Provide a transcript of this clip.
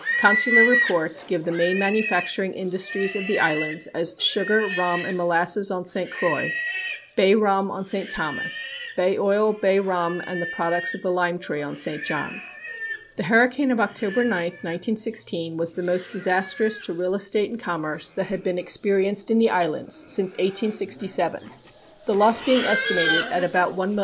Consular reports give the main manufacturing industries of the islands as sugar, rum and molasses on St. Croix; bay rum on St. Thomas; bay oil, bay rum and the products of the lime tree on St. John. The hurricane of October 9, 1916, was the most disastrous to real estate and commerce that had been experienced in the islands since 1867, the loss being estimated at about $1,500,000.